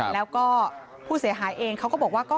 แล้วก็ผู้เสียหายเองเขาก็บอกว่า